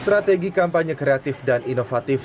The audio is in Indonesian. strategi kampanye kreatif dan inovatif